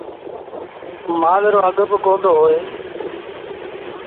مآل رو اگھ باڪوندو هوئي۔